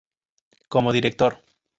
Como Director